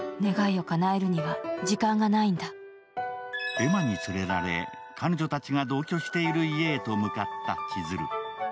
恵真に連れられ、彼女たちが同居している家へと向かった千鶴。